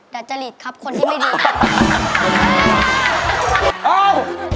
อยากจะหลีดครับคนที่ไม่ดูกัน